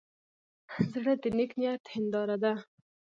زړه د نیک نیت هنداره ده.